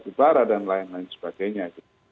ada juga barat dan lain lain sebagainya